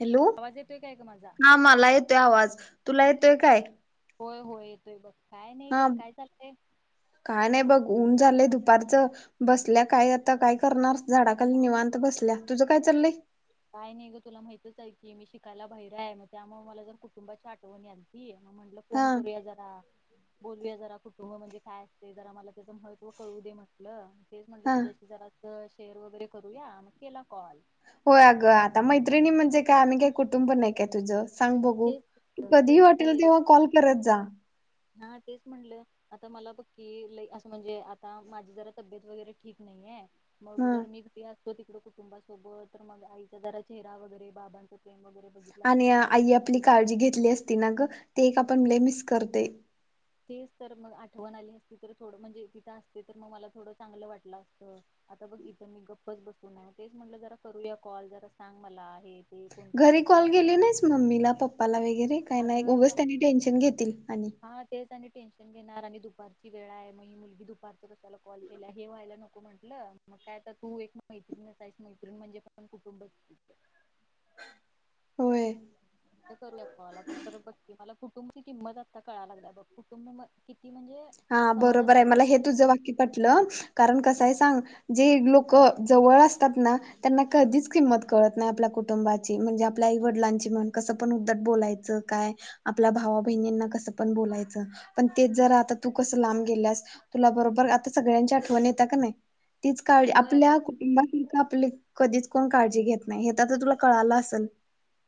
Hello आवाज येतोय काय ग माझा? हा मला येतोय आवाज तुला येतोय काय होय-होय येतोय बघ काय नाही हा ग काय चाललंय? काय नाही बघ ऊन झालंय दुपारच बसल्या काय आता काय करणार झाडाखाली निवांत बसल्या तुझं काय चाललय काय नाही गं तुला माहितच आहे की मी शिकायला बाहेर हाय मग त्यामुळे मला जर कुटुंबाची आठवण यालती मग म्हटलं हा फोन करूया जरा बोलवूया जरा कुटुंब म्हणजे काय असते जरा मला त्याचं महत्त्व कळू दे म्हटलं. तेच म्हटलं हा तुझ्याशी जरा तर शेअर वगैरे करूया मग केला कॉल. होय अगं आता मैत्रिणी म्हणजे काय आम्ही काय कुटुंब नाही काय तुझं सांग बघू तेच कधीही तेच की वाटेल तेव्हा कॉल करत जा. हा तेच म्हटलं आता मला बघ की लई असं म्हणजे आता माझी जरा तब्येत वगैरे ठीक नाहीे हाय मग हा जर मी [unintelligible] तो तिकड कुटुंबासोबत तर मग आईचा जरा चेहरा वगैरे बाबांचं प्रेम वगैरे बघितलं असत आणि तर मला जरा आई आपली काळजी घेतली असती ना गं ते एक आपण लई मिस करते तेच तर मग आठवण आली असती तर थोड म्हणजे तिथं असते तर मग मला थोडं चांगलं वाटलं असतं आता बघ इथं मी गप्पच बसून हाय मग तेच म्हटलं जरा करूया कॉल जरा सांग मला हे ते कोणकोण घरी कसं कॉल आहे केले नाहीस मम्मीला पप्पाला वेगैरे काय नाही गो अगं उगंच त्यांनी टेन्शन घेतील आणि हा तेच आणि टेन्शन घेणार आणि दुपारची वेळ हाय मग हे मुलगी दुपारच कसायला कॉल केल्या हे व्हायला नको म्हंटलं मग काय आता तू एक मैत्रीणच हाईस मैत्रीण म्हणजे पण कुटुंब होय अता करूया कॉल अता तर बघ की मला कुटुंबाची किंमत अता आता कळा लागलिया बघ कुटुंब किती म्हणजे हा समाजात बरोबर आहे मला हे किती तुझं वाक्य पटलं कारण कसं आहे सांग जे लोक जवळ असतात ना त्यांना कधीच किंमत कळत नाही आपल्या कुटुंबाची म्हणजे आपल्या आईवडलांची म्हण कसं पण उदट बोलायचं काय आपल्या भावा बहिणींना कसं पण बोलायचं. पण ते जरा आत्ता तू कसं लांब गेल्यास तुला बरोबर आता सगळ्यांची आठवण येत्या काने? तीच काळजी होय अगं आपल्या कुटुंबानंतर आपली कधीच कोण काळजी घेत नाही हे ता तर तुला कळालं असल.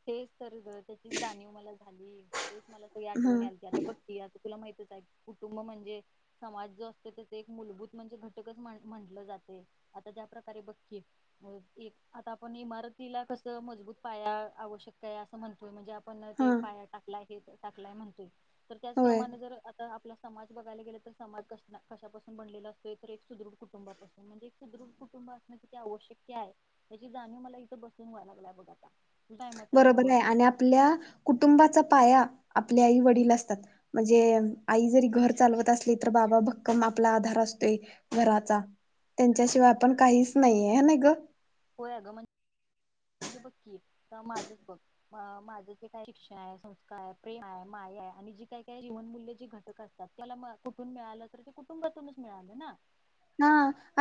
तेच तर गं त्याचीच जाणीव मला झाली. तेच मला सगळी हा आठवण यालती, आता बघ की अजू तुला माहितच आहे. कुटुंब म्हणजे समाज जो असतो त्याच एक मूलभूत म्हणजे घटकच म्हण म्हटलं जातंय. आता ज्या प्रकारे बघ की मूळ एक आता आपण इमारतीला कसं मजबूत पाया आवश्यक आहे असं म्हणतोय म्हणजे आप पण हा ते पाया टाकलाय हे तर टाकलाय म्हणतोय? तर होय त्याचप्रमाण, जर आता आपल समाज बघायला गेलं तर, समाज कसला कशापासन बनलेला असतोय, तर एक सुदृढ कुटुंबापासून म्हणजे सुदृढ कुटुंब असण किती आवशक्य हाय? याची जाणीव मला इथं बसून व्हाय लागलीया, बघ आता काय मत आहे बरोबर यावर नाही आणि आपल्या कुटुंबाचा पाया आपले आई वडील असतात, म्हणजे अ आई जरी घर चालवत असली तर, बाबा भक्कम आपला आधार असतोय, घराचा त्यांच्याशिवाय आपण काहीच नाहीये, हाय ना ग! व्हय अग म्हण म्हणजे बघ की, आता माझच बघ, माझं जे काय शिक्षण हाय, संस्कार हाय, प्रेम हाय, माया हाय आणि जी काय काय जीवनमूल्य जी घटक असतात. त्याला म कुठून मिळालं तर, ते कुटुंबातूनच मिळालं ना. हा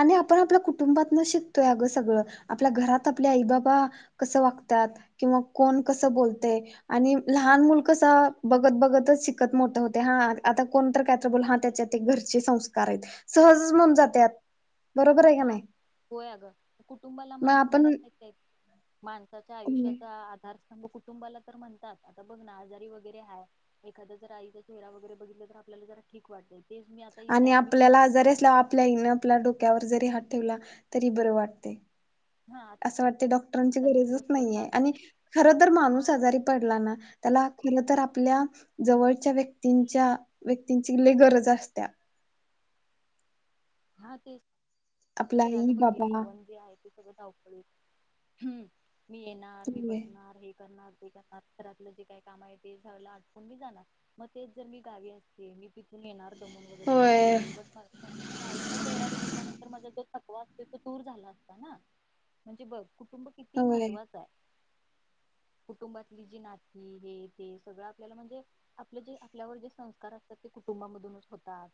आणि आपण आपल्या कुटुंबातन शिकतोय अगं सगळ. आपल्या घरात आपल्या आई बाबा कसं वागत्यात किंवा कोण कसं बोलतय आणि लहान मुल कस? बघत बघतच शिकत मोठ होतय. हा आता कोणतर, कायतर बोलल? हा त्याच्या ते घरचे संस्कार आहेत. सहजच म्हणून जात त्यात हा. होय अग कुटुंबाला मग म्हण म्हणत आपण नाहीत काय? माणसाच्या आयुष्याचा आधार म कुटुंबाला तर म्हणतात. आता बघ ना, आजारी वगैरे हाय, एखादा जर आईचा चेहरा वगैरे बघितलं तर, आपल्याला जरा ठीक वाटेल. आणि आपल्याला आजारी असल्यावर, आपल्या आईन आपल्या डोक्यावर जरी हात ठेवला तरी बरं वाटतय. हा आता असं वाटतय, डॉक्टरांची मी गरजच दिवसभर काम नाहीये आणि खर तर माणूस हा आजारी पडला ना, त्याला मला तर, आपल्या जवळच्या व्यक्तींच्या व्यक्तींची लई गरज असत्या हां तेच आपल्या तर आई अगं बघ की, हे बाबा जीवन जे आहे, ते सगळच धावपळीत हुं. मी येणार, मी होय बसणार, हे करणार जे काय काम घरातलं जे काय काम आहे ते सगलं आटपून मी जाणार, मग तेच जर मी गावी असते मी पी पिन येणार दमून वगैरे काम होय करून बट [unintelligible] त्या आईचा चेहरा बघितल्यानंतर माझा जो थकवा असतोय तो दूर झाला असता ना म्हणजे बघ कुटुंब किती होय महत्त्वाचाय कुटुंबातली जी नाती हे ते सगळं आपल्याला म्हणजे आपलं जे आपल्यावर जे संस्कार असतात ते कुटुंबामधूनच होतात,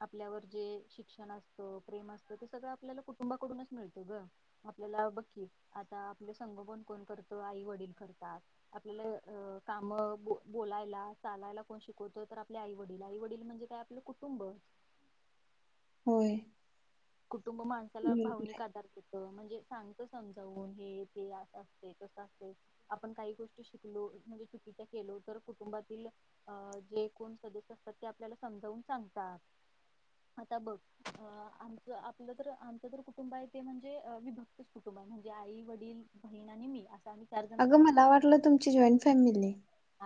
आपल्यावर जे शिक्षण असत, प्रेम असत ते सगळं आपल्याला कुटुंबाकडूनच मिळतं ग, आपल्याला बग की आता आपलं संगोपन कोण करतं, आई वडील करतात, आपल अ काम, बो बोलायला, चालायला कोण शिकवत तर आपले आई वडील, आई वडील म्हणजे काय आपलं कुटुंब होय. कुटुंब माणसाला बरोबर भावनिक आहे. आधार देत म्हणजे सांगत समजावून हे ते असं असतय, तसं असतय, आपण काही गोष्टी शिकलो म्हणजे चुकीच्या केलो तर कुटुंबातील अ जे कोण सदस्य असतात ते आपल्याला समजावून सांगतात, आता बघ अ आम ज आपलं तर आमचं तर कुटुंब आहे ते म्हणजे अ विभक्तच कुटुंब आहे म्हणजे आई, वडील, बहीणआणि मी अस अगं मला वाटलं तुमची जॉईंट फॅमिली आहे.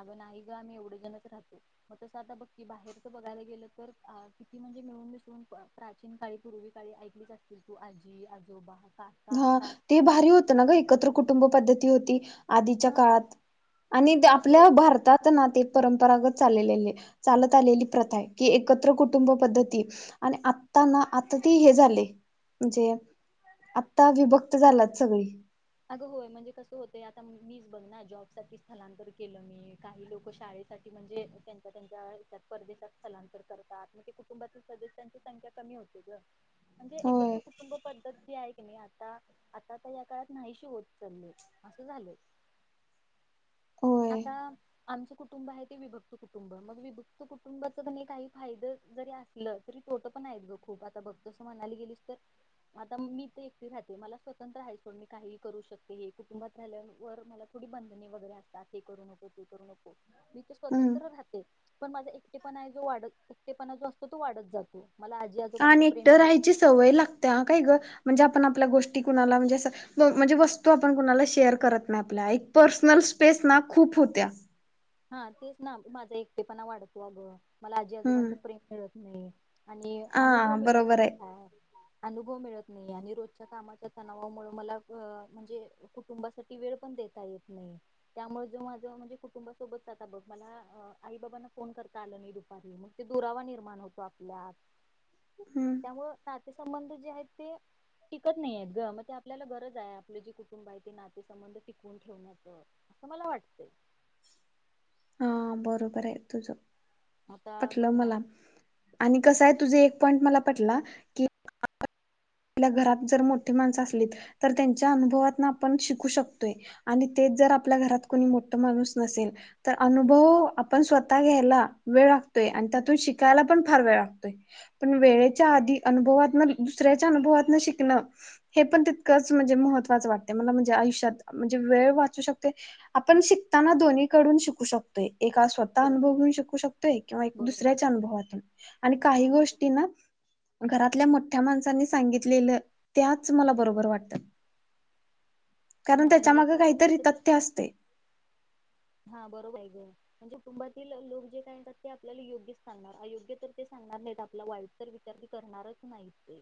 अगं नाही ग आम्ही एवढंजणच राहतो मग तसं आता बघकी बाहेरच बघायला गेलं तर किती म्हणजे मिळून मिसळून प्राचीन काळी पूर्वी काळी ऐकलीच असतील तू आजी आजोबा काका हां ते काकी भारी होतं ना ग एकत्र कुटुंब पद्धत ती होती आधीच्या हा काळात आणि हा ते आपल्या भारतात ना ते परंपरागत चाललेली आहे चालत आलेली प्रथा आहे कि एकत्र कुटुंब पद्धती आणि आता ना आता ते हे झाले म्हणजे आप आता विभक्त झालात सगळी अगं होय म्हणजे कसं होतय आता मीच बघ ना जॉबसाठी स्थलांतर केलं मी, काही लोक शाळेसाठी म्हणजे त्यांच्या त्यांच्या याच्यात परदेशात स्थलांतर करतात म्हणजे कुटुंबातील सदस्यांची संख्या कमी होते गं. म्हणजे होय एकत्र कुटुंब पद्धत जी आहे नाही आता आता तर या काळात नाहीशी होत चालले असं झालं होय आता आमच कुटुंब आहे ते विभक्त कुटुंब मग विभक्त कुटुंबाच काही फायदं जरी असलं तरी तोट पण आहेत ग खूप आता बघत अस म्हणायला गेलीस तर आता मी तर एकटी राहते मला स्वतंत्र राहाय मी काही करू शकते हे कुटुबात राहिल्यावर थोडी बंधनी वगैरे असतात हे करू नको ते करू नको मी इथे हम्म स्वतंत्र राहते पण माझा एकटेपणा आहे जो वाढत एकटेपणा जो असतो तो वाढत जातो मला आजी आजोबांचं आणि प्रेम एकटं मिळत राहायची सवय लागते काय ग म्हणजे अन आपल्या गोष्टी कुणाला म्हणजे असं ब वस्तू आपण कुणाला करत शेअर नाही आपल्या एक पर्सनल स्पेस ना खूप होत्या. हा तेच ना माझा एकटेपणा वाढतो अगं. मला हम्म आजीजोबांचं प्रेम मिळत हम आणि अनुभव हा मिळत बरोबर नाही आहे काय अनुभव मिळत नाही आणि रोजच्या कामाच्या तणावामुळे मला अ म्हणजे कुटुंबासाठी वेळ पण देता येत नाही त्यामुळे ज माझ म्हणजे कुटुंबा सोबत जता बघ मला आई बाबांना फोन करता आलं नाही दुपारी मग ते दुरावा निर्माण होतो आपल्यात. हम्म त्यामुळं ते संबंध जे आहेत ते टिकत नाही आहेत ग मग ते आपल्याला गरज आहे आपले जे कुटुंब आहे ते नाते संबंध टिकवून ठेवण्याच असं मला वाटतंय. हा बरोबर आहे तुझं. आता बघ पटलं ना मला आणि कसं हाय तुझे एक पॉईंट मला पटला की आपल्या घरात जर मोठीे माणसं असलीत तर त्यांच्या अनुभवातनं आपण शिकू शकतोय आणि तेच जर आपल्या घरात कोणी मोठं माणूस नसेल तर अनुभव आपण स्वतः घ्यायला वेळ वागतोय आणि त्यातून शिकायला पण फार वेळ वागतोय. पण वेळेच्या आधी अनुभवातन दुसऱ्या च्या अनुभवतनं शिकणं हे पण तितकंच म्हणजे महत्त्वाचं वाटत मला म्हणजे आयुष्यात म्हणजे वेळ वाचू शकते. आपण शिकताना दोन्ही कडून शिकू शकतोय. एका स्वतः होय अनुभव घेऊन शिकू शकतोय किंवा बरोबर दुसऱ्याच्या अनुभवातून आणि हा काही बरोबर गोष्टी ना घरातल्या मोठ्या माणसांनी सांगितले त्याच मला बरोबर वाटतं. कारण हा त्याच्या आणि आता माग आपण काहीतरी एकत्र तथ्य असतंय. हा बरोबर हाय गं. म्हणजे कुटुंबातील लोक जे काय यतात ते आपल्याला योग्य सांगणार अयोग्य तर ते सांगणार नाहीत आपला वाईट तर विचार की करणारच नाहीत ते.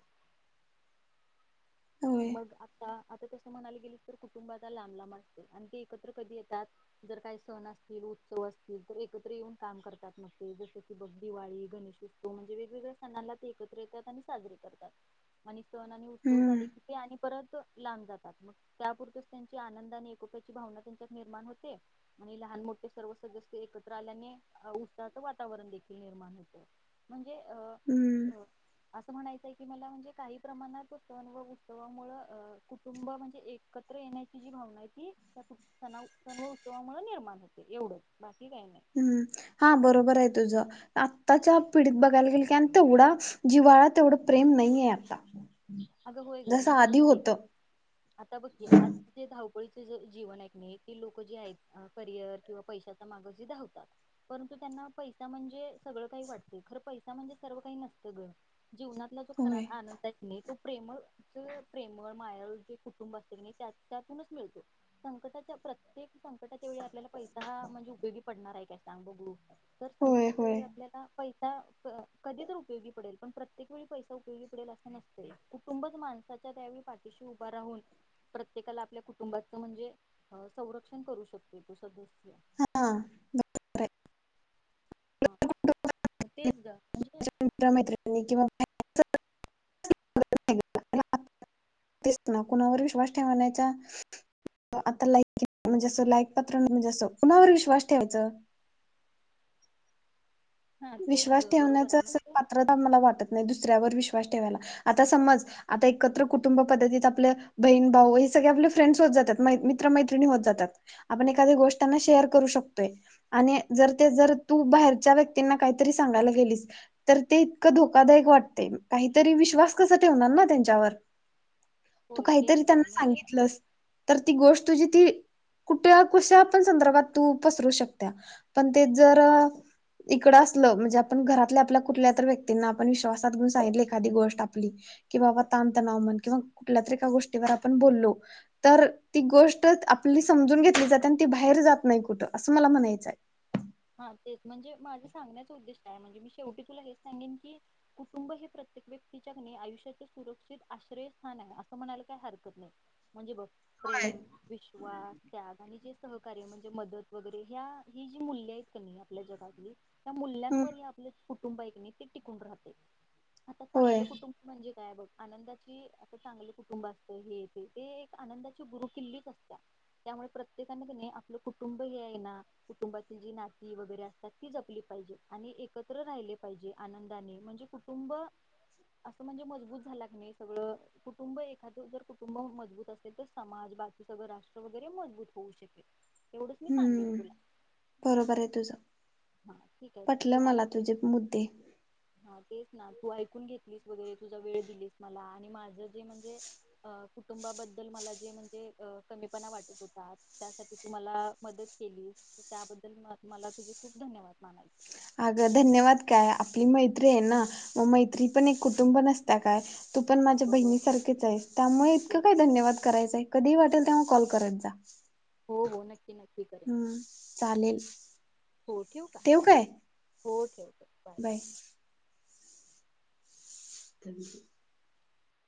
होय. मग आता आता कस म्हणाले गेले तर कुटुंबला लांब लांब असते आणि ते एकत्र कधी येतात जर काय सण असतील, उत्सव असतील तर एकत्र येऊन काम करतात मग ते जस की बघ दिवाळी, गणेशोत्सव म्हणजे वेगवेगळ्या सणाला ते एकत्र येतात आणि साजरे करतात आणि सन आणि उत्सव हम्म झाले की नि परत लांब जातात, मग त्यापुरच त्यांची आनंद आणि एकोक्याची भावना त्यांच्यात निर्माण होते आणि लहान मोठे सर्व सदस्य एकत्र आल्याने आ उसाच वातावरण देखील निर्माण होत, म्हण हम्म. असं म्हणायचंय की मला म्हणजे काही प्रमाणातच सण व उस तवामुळ अ कुटुंब म्हणजे एकत्र येण्याची जी भावना आय ती त्या कुट सनाव सण उत्सवामुळ निर्माण होते एवढंच बा हम्म हा बरोबर आहे तुझं आत्ताच्या पिढीत बघायला गेल की आण तेवढा जिव्हाळा तेवढं प्रेम नईये आता अगं होय ग जसं म्हणजे बघ आधी की, होतं. आता बघ की आज जे धाव पळीचे जे जीवन आय कणी ती लोक जे आहेत अ करियर किंवा पैशाचा माग जे धावतात परंतु त्यांना पैसा म्हणजे सगळं काही वाटतय, खर पैसा म्हणजे सर्व काही नसतं ग जीवनातला जो खरा होय. आनंद अयत की नाय तो प्रेम जअ प्रेमळ मायाळू जे कुटुंब अस की नाय त्यातूनच मिळतो. संकटाच्या प्रत्येक संकटाच्या वेळी आपल्याला पैसा हा म्हणजे उपयोगी पडणार आहे काय? सांग बघू, [inaudible] तर होय संकटाच्या वेळी होय आपल्याला पैसा क कधी तर उपयोगी पडेल, पण प्रत्येक वेळी पैसा उपयोगी पडेल असं नसतेय. कुटुंबच माणसाच्या त्यावेळी पाठीशी उभा राहून प्रत्येकाला आपल्या कुटुंबाचं म्हणजे अ संरक्षण करू शकते. तो, [unintelligible] [inaudible] ह अ [unintelligible] बरं हय. [inaudible] ह, [inaudible] तेच ग म्हणजे मित मैत्रिनी किंवा [unintelligible] तेच ना कुणावर विश्वास ठेवाण्याच्या [inaudible] आता लाईकी म्हणजे, स लाईक पत्र नजस, कुणावर विश्वास ठेवायच. [inaudible] हा [inaudible] तेच विश्वास ग बरोबर ठेवण्याच आहे असं म्हणजे पात्रता मला वाटत नाही. दुसऱ्यावर विश्व वास ठेवाला, आता समज आता एकत्र कुटुंब पद्धतीत आपलं भहिण भाऊ हे सगळे आपले फ्रेन्डस होत जातात. मय मित्र मैत्रीण होत जातात, आपण एखादी गोष्ट त्यांना शेअर करू शकतोय. आणि जर ते जर तू बाहेरच्या व्यक तींना काहीतरी सांगाला गेलीस, तर ते इतकं धोकादायक वाटते काहीतरी विश्वास कस ठेवणार ना त्यांच्यावर, [inaudible] [inaudible] तू होय तेच काहीतरी ग त्यांना म्हणजे सांगितलंस, [inaudible] तर ती गोष तुझी ती, [inaudible] कुठ कुश्या पण संदर्भात तू पसरू शकता. पण ते जर अ [inaudible] इकड असलं म्हणजे, आपण घरातल्या आपल्या कुठल्यात व्यक्तींना आपण विश्वासात घेऊन सांगितलं एखादी गोष्ट आपली, कि बाबा ताण-तणाव मन किंवा कुठल्यातरी एका गोष्टीवर आपण बोलो, तर ती गोष्ट आपली समजून घेतली जाते आणि ती बाहेर जात नाही कुठं. असं मला म्हणायचंय, [unintelligible] हा तेच, म्हणजे माझे सांगण्याच उद्देष्ट काय आहे. म्हणजे मी शेवटी तुला हेच सांगेन की कुटुंब हे प्रत्येक व्यक्तीच्या क नय आयुष्याचे सुरक्षित आश्रय स्थान आहे. असं म्हणायला काही हरकत नाही. म्हणजे बघ होय. प्रेम विश्वास त्याग आणि जे सहकार्य म्हणजे? मदत वगैरे ह्या ही जी मूल्य आहेत क नाही आपल्या जगातली त्या हम्म मुूल्यांवर आपले कुटुंब ये का नाही ते टिकून राहते आता होय चांगलं कुटुंब म्हणजे काय बघ आनंदाची अस चांगले कुटुंब असत हे येते ते एक आनंदाची गुरु किल्लीच असत त्यामुळे प्रत्येकाने त्यांनी आपलं कुटुंब हे आहे ना कुटुंबातील जी नाती वगैरे असतात ती जपली पाहिजे आणि एकत्र राहिले पाहिजे आनंदाने म्हणजे कुटुंब असं म्हणजे मजबूत झाला क नाही सगळं कुटुंब एखादं जर कुटुंब मजबूत असेल तर समाज बाकी सगळं राष्ट्र वगैरे मजबूत होऊ शकेल एवढंच मी सांगेन हम्म तुला बरोबर आहे तुझं हा ठीक आहे तू पटलं ऐक मला तुझे मुद्दे हा तेच ना तू ऐक चून घेतलीस वगैरे तुझा वेळ दिलीस मला आणि माझं जे म्हणजे कुटुंबाबद्दल मला जे म्हणजे कमीपणा वाटत होतात त्यासाठी तू मला मदत केलीस त्याबद्दल मला तुझी खूप धन्यवाद मानायचे अगं धन्यवाद काय आपली मैत्री आहे ना मग मैत्री पण एक कुटुंब नसता काय तू पण माझ्या हो हो बहिणीसारखेच आहेस त्यामुळे इतकं काय धन्यवाद करायचंय कधी वाटलं वाटल तेव्हा कॉल करात जा हो हो नक्की करेन हम्म चालेल हो ठेव का ठेऊ काय हो ठेव ठेव बाय [inaudible]